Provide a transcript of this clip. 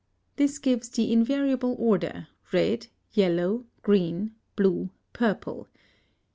This gives the invariable order, red, yellow, green, blue, purple.